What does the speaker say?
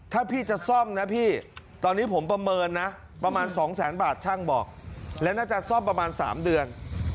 ถ้าพี่จะซ่อมนะพี่ตอนนี้ผมประเมินนะประมาณ๒แสนบาทช่างบอกและน่าจะซ่อมประมาณ๓เดือน